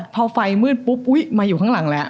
พอไฟมืดปุ๊บมายุ่งข้างหลังแล้ว